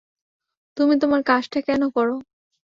তুমি তোমার কাজটা কেন করো?